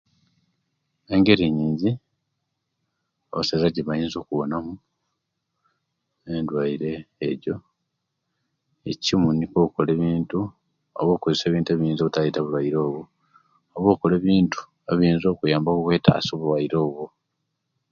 Engeri nyingi abasaiza gjebayinza okubonamu edwaire ejjo ekimo nikwo okukola ebintu oba okukozesia ebintu ebiyinza obutareta obulwaire obwo oba okola ebintu ebiyinza okuyamba okwetasia obulwaire obwo